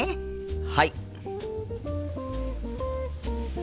はい。